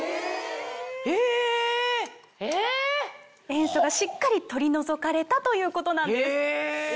塩素がしっかり取り除かれたということなんです。